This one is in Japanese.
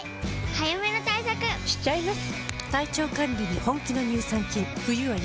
早めの対策しちゃいます。